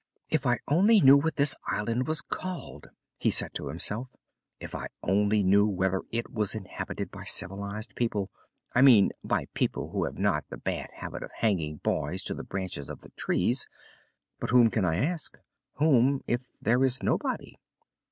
"If I only knew what this island was called!" he said to himself. "If I only knew whether it was inhabited by civilized people I mean, by people who have not the bad habit of hanging boys to the branches of the trees. But whom can I ask? Whom, if there is nobody?"